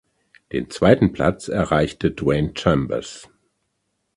Den zweiten Platz erreichte Dwain Chambers.